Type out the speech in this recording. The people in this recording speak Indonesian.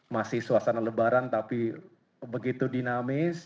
masih suasana lebaran tapi begitu dinamis